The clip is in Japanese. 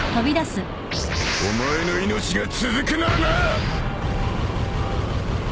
お前の命が続くならな！